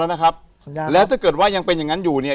แล้วนะครับสัญญาแล้วถ้าเกิดว่ายังเป็นอย่างงั้นอยู่เนี่ย